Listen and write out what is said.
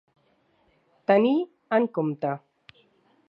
Tenir en compte.